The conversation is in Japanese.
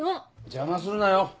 邪魔するなよ。